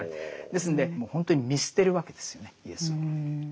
ですんでもう本当に見捨てるわけですよねイエスを。